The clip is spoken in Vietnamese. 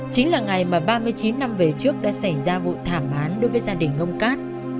chính là ngày mà ba mươi chín năm về trước đã xảy ra vụ thảm án đối với gia đình ông cát